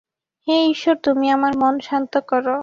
হে ঈশ্বর, তুমি আমার মন শান্ত কর।